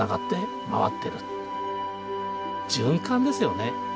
循環ですよね。